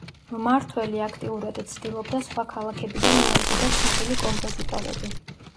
მმართველი აქტიურად ცდილობდა სხვა ქალაქებიდან მოეზიდა ცნობილი კომპოზიტორები.